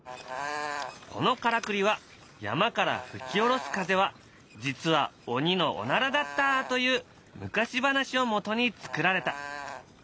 このからくりは山から吹き下ろす風は実は鬼のおならだったという昔話をもとに作られた。